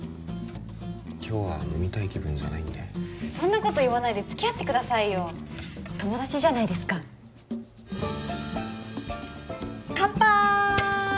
今日は飲みたい気分じゃないんでそんなこと言わないでつきあってくださいよ友達じゃないですかカンパイ！